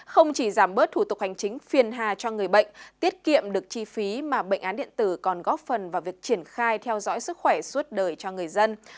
không chỉ giảm bớt thủ tục hành chính phiền hà cho người bệnh tiết kiệm được chi phí mà bệnh án điện tử còn góp phần vào việc triển khai theo dõi sức khỏe suốt đời cho người dân